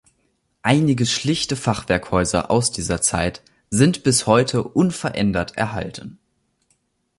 Einige schlichte Fachwerkhäuser aus dieser Zeit sind bis heute unverändert erhalten.